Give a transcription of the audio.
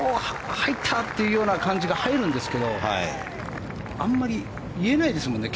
入った！っていうような感じが入るんですけどあんまり言えないですね